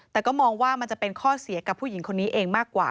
แต่ก็มองว่ามันจะเป็นข้อเสียกับผู้หญิงคนนี้เองมากกว่า